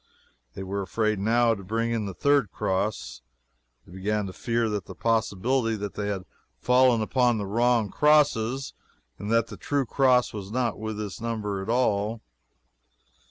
They were afraid, now, to bring in the third cross. They began to fear that possibly they had fallen upon the wrong crosses, and that the true cross was not with this number at all.